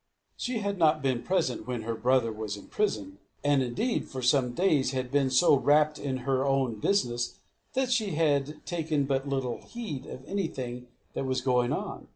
She had not been present when her brother was imprisoned; and indeed for some days had been so wrapt in her own business, that she had taken but little heed of anything that was going on.